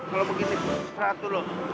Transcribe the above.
kalau begini seratus loh